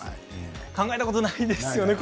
考えたことないですよね